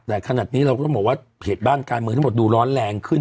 แต่ขนาดนี้เราก็ต้องบอกว่าเหตุบ้านการเมืองทั้งหมดดูร้อนแรงขึ้น